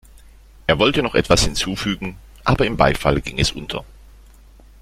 Er wollte noch etwas hinzufügen, aber im Beifall ging es unter.